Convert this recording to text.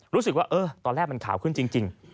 รู้สึกว่าตอนแรกมันข่าวขึ้นจริง